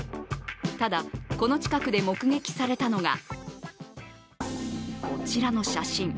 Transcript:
ただ、この近くで目撃されたのが、こちらの写真。